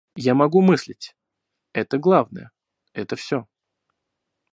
Я могу мыслить — это главное, это все.